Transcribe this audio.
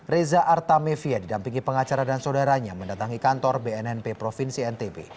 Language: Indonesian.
reza artamevia didampingi pengacara dan saudaranya mendatangi kantor bnnp provinsi ntb